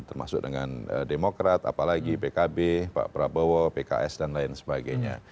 termasuk dengan demokrat apalagi pkb pak prabowo pks dan lain sebagainya